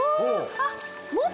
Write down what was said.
あっ。